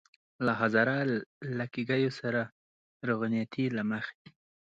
له هزاره لږکیو سره روغنيتۍ له مخې.